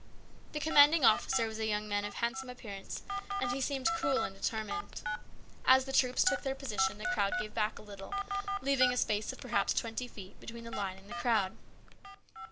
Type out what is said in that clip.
The commanding officer was a young man of handsome appearance, and he seemed cool and determined. As the troops took their position the crowd gave back a little, leaving a space of perhaps twenty feet between the line and the crowd.